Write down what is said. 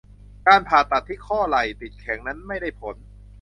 การผ่าตัดที่ข้อไหล่ติดแข็งนั้นไม่ได้ผล